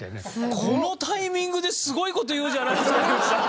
このタイミングですごい事言うじゃないですか井口さん。